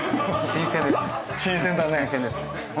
新鮮ですね。